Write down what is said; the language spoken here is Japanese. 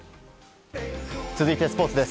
続いてはスポーツです。